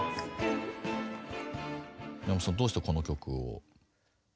宮本さんどうしてこの曲を？